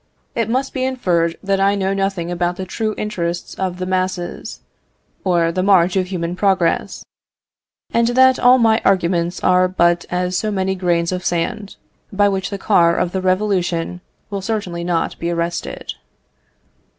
It must be inferred that I know nothing about the true interests of the masses, or the march of human progress; and that all my arguments are but as so many grains of sand, by which the car of the revolution will certainly not be arrested.